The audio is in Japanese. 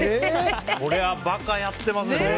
これは馬鹿やってますね。